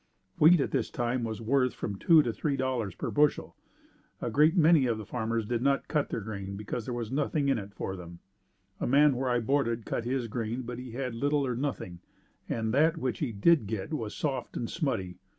Wheat at this time was worth from $2 to $3 per bushel. A great many of the farmers did not cut their grain because there was nothing in it for them. The man where I boarded cut his grain but he had little or nothing, and that which he did get was soft and smutty.